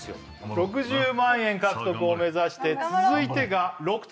６０万円獲得を目指して続いてが６択